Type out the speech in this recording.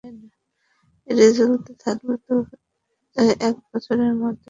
এটি চলতে থাকলে দু-এক বছরের মধ্যে পুরো খেত নদীগর্ভে চলে যাবে।